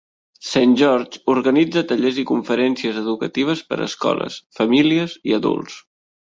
Saint George organitza tallers i conferències educatives per a escoles, famílies i adults.